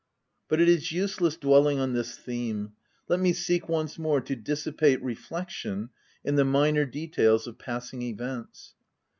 But it is useless dwelling on this theme : let me seek once more to dis sipate reflection in the minor details of passing events.